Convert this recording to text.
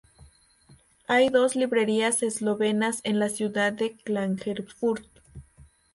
Hay dos librerías eslovenas en la ciudad de Klagenfurt.